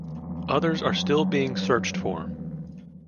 Others are still being searched for.